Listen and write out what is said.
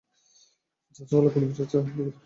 ঝাঁজওয়ালা কোনোকিছু আছে আপনার কাছে?